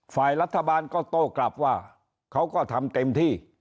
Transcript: ฝ่ายรัฐบาลก็โต้กลับว่าเขาก็ทำเต็มที่